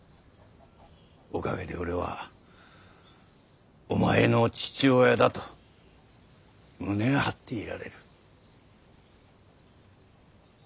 おかげで俺はお前の父親だと胸を張っていられる。